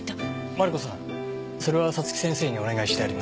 マリコさんそれは早月先生にお願いしてあります。